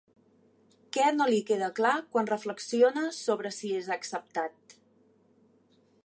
Què no li queda clar quan reflexiona sobre si és acceptat?